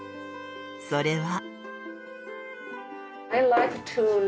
それは。